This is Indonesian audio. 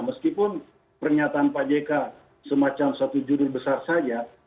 meskipun pernyataan pak jk semacam satu judul besar saja